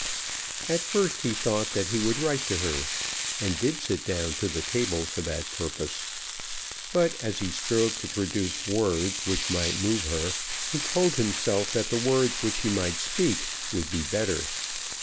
At first he thought that he would write to her, and did sit down to the table for that purpose; but as he strove to produce words which might move her, he told himself that the words which he might speak would be better.